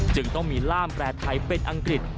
จึงต้องมีล่ามแปรไทยเป็นอังกฤษ